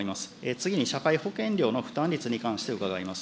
次に社会保険料の負担率に関して伺います。